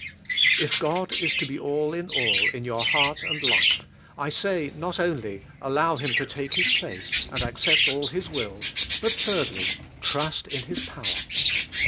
If God is to be all in all in your heart and life, I say not only, Allow Him to take His place, and accept all His will, but, thirdly, Trust in His pov; er.